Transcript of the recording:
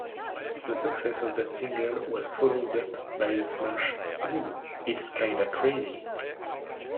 The success of that single was followed-up by the smash "Ooh It's Kinda Crazy".